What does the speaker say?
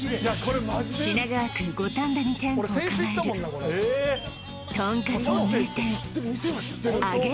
品川区五反田に店舗を構えるとんかつの名店あげ